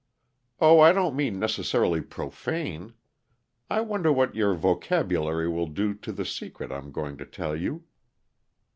"Oh, I don't mean necessarily profane. I wonder what your vocabulary will do to the secret I'm going to tell you."